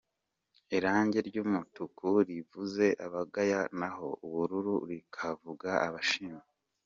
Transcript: Irange ryumutuku rivuze abagaya naho ubururu rikavuga abashima.